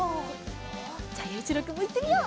じゃあゆういちろうくんもいってみよう！